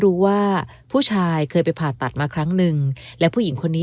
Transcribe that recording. รู้ว่าผู้ชายเคยไปผ่าตัดมาครั้งหนึ่งและผู้หญิงคนนี้